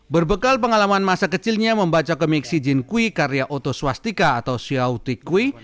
berbekal pengalaman masa kecilnya membaca komiksi jin kui karya otoswastika atau syautik kui